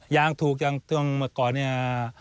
ยางถูกยังเท่าก่อนเนี่ย